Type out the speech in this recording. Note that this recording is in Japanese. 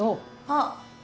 あっ。